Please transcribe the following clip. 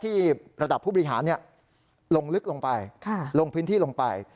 ที่ระดับผู้บริหารลงลึกลงไปลงพื้นที่ลงไป